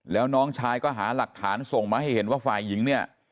แล้วน้องชายก็หาหลักฐานส่งมาให้เห็นว่าฝ่ายหญิงเนี่ย